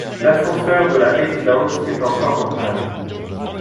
L'ascenseur de la résidence est encore en panne.